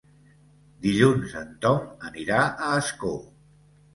Dilluns en Tom anirà a Ascó.